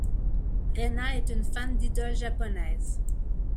Rena est une fan d'idoles japonaises.